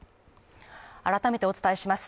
改めてお伝えします。